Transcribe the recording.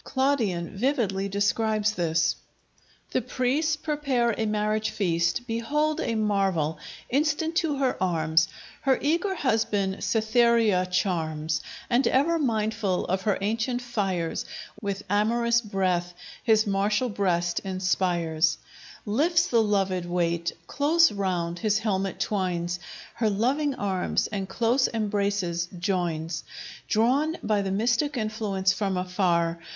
Claudian vividly describes this: The priests prepare a marriage feast. Behold a marvel! Instant to her arms Her eager husband Cythereia charms; And ever mindful of her ancient fires, With amorous breath his martial breast inspires; Lifts the loved weight, close round his helmet twines Her loving arms, and close embraces joins, Drawn by the mystic influence from afar.